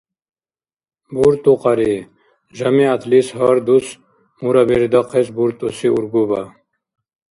«БуртӀукьари» — жамигӀятлис гьар дус мура бердахъес буртӀуси ургуба.